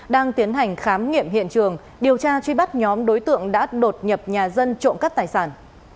đang tiến hành khám nghiệm hiện trường điều tra truy bắt nhóm đối tượng đã đột nhập nhà dân trộm cắp tài sản